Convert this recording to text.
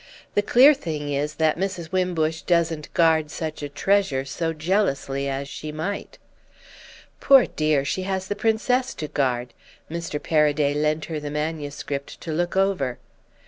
The clear thing is that Mrs. Wimbush doesn't guard such a treasure so jealously as she might.' "'Poor dear, she has the Princess to guard! Mr. Paraday lent her the manuscript to look over.